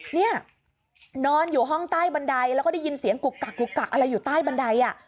นี่นอนอยู่ห้องใต้บันไดแล้วก็ได้ยินเสียงกุกกักกุกกักอะไรอยู่ใต้บันไดอ่ะ